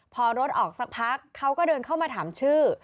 พอรถออกสักพักเขาก็เดินเข้ามาถามชื่อ